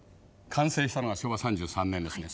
完成したのは昭和３３年ですね。